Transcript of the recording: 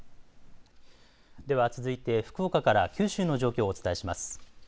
では続いて福岡から九州の状況をお伝えします。